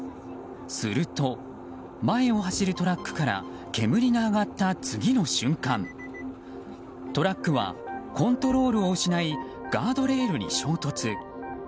すると、前を走るトラックから煙が上がった次の瞬間トラックはコントロールを失いガードレールに衝突。